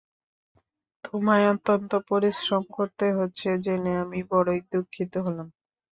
তোমায় অত্যন্ত পরিশ্রম করতে হচ্ছে জেনে আমি বড়ই দুঃখিত হলাম।